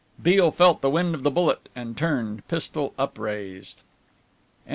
Beale felt the wind of the bullet and turned, pistol upraised.